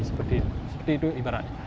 seperti itu ibaratnya